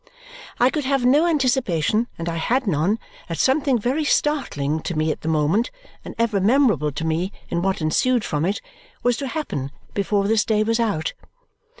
I could have no anticipation, and I had none, that something very startling to me at the moment, and ever memorable to me in what ensued from it, was to happen before this day was out.